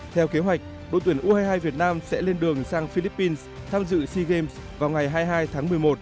theo kế hoạch đội tuyển u hai mươi hai việt nam sẽ lên đường sang philippines tham dự sea games vào ngày hai mươi hai tháng một mươi một